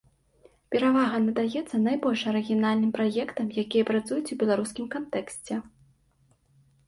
Перавага надаецца найбольш арыгінальным праектам, якія працуюць у беларускім кантэксце.